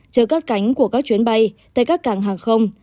chờ cất cánh của các chuyến bay tại các cảng hàng không